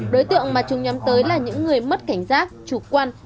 đối tượng mà chúng nhắm tới là những người mất cảnh giác chủ quan